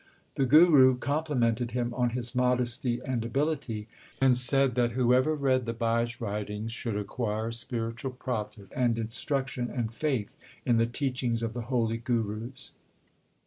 The Guru complimented him on his modesty and ability, and said that whoever read 64 THE SIKH RELIGION the Bhai s writings should acquire spiritual profit and instruction and faith in the teachings of the holy Gurus.